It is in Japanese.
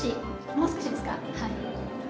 もう少しですか。